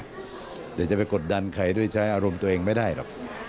เดี๋ยวจะไปกดดันใครด้วยใช้อารมณ์ตัวเองไม่ได้หรอก